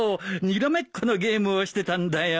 にらめっこのゲームをしてたんだよ。